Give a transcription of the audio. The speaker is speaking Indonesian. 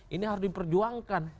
ini harus diperjuangkan